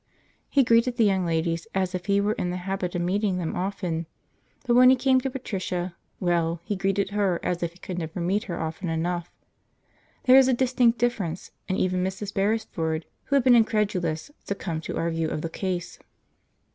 He greeted the young ladies as if he were in the habit of meeting them often, but when he came to Patricia, well, he greeted her as if he could never meet her often enough; there was a distinct difference, and even Mrs. Beresford, who had been incredulous, succumbed to our view of the case.